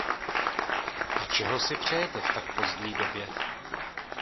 A čeho si přejete v tak pozdní době?